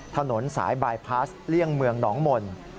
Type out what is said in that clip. ถนนสายบายพลาสเลี่ยงเมืองหนองมนต์